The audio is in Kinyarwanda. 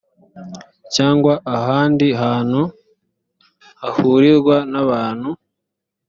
cyangwa ahandi hantu hahurirwa n abantu